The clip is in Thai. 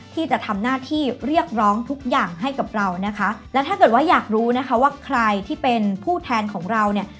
ที่จะทำหน้าที่เรียกร้องทุกอย่างให้กับเรานะคะและถ้าเกิดว่าอยากรู้นะคะว่าใครที่เป็นผู้แทนของเราเนี่ย